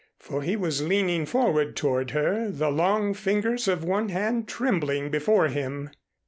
For he was leaning forward toward her, the long fingers of one hand trembling before him.